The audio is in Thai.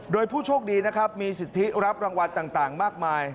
โดยผู้โชคดีนะครับมีสิทธิรับรางวัลต่างมากมาย